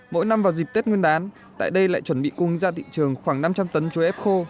mỗi năm vào dịp tết nguyên đán tại đây lại chuẩn bị cung ra thị trường khoảng năm trăm linh tấn chuối ép khô